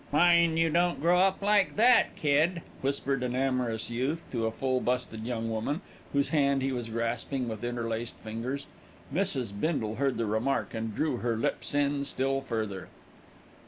"Mind you don't grow up like that, kid," whispered an amorous youth to a full busted young woman, whose hand he was grasping with interlaced fingers. Mrs. Bindle heard the remark and drew in her lips still further.